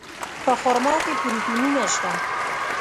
په خرما کې پروټینونه شته.